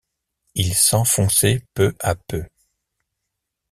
Il s’enfonçait peu à peu.